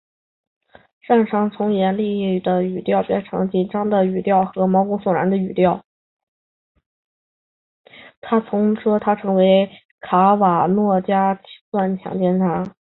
她说她认为卡瓦诺打算强奸她。